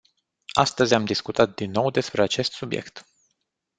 Astăzi am discutat din nou despre acest subiect.